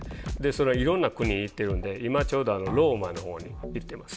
それはいろんな国へ行ってるんで今ちょうどローマのほうに行ってます。